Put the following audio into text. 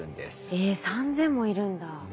え３，０００もいるんだ。